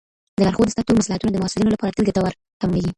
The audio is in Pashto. د لارښود استاد ټول مصلحتونه د محصلینو لپاره تل ګټور تمامېږي.